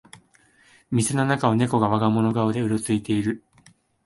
店の中をネコが我が物顔でうろついてる